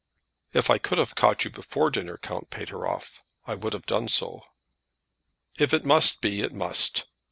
"If I could have caught you before dinner, Count Pateroff, I would have done so." "If it must be, it must.